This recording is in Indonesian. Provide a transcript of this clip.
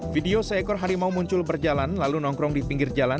video seekor harimau muncul berjalan lalu nongkrong di pinggir jalan